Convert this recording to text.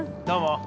どうも。